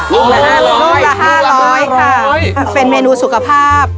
อ๋อหลายลูกละ๕๐๐ค่ะเป็นเมนูสุขภาพ